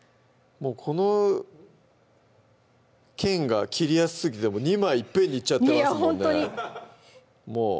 もうこの剣が切りやすすぎて２枚いっぺんにいっちゃってますもんね